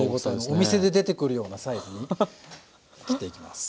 お店で出てくるようなサイズに切っていきます。